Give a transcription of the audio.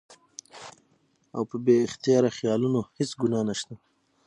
او پۀ بې اختياره خيالونو هېڅ ګناه نشته